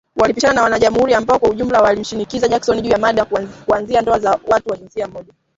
Walipishana na wana jamuhuri ambao kwa ujumla walimshinikiza Jackson, juu ya mada kuanzia ndoa za watu wa jinsia moja